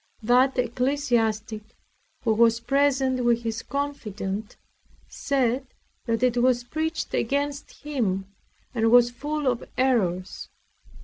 That ecclesiastic, who was present with his confidant, said that it was preached against him, and was full of errors.